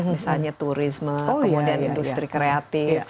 misalnya turisme kemudian industri kreatif